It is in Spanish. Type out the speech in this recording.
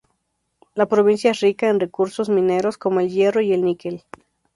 La provincia es rica en recursos mineros como el hierro y el níquel.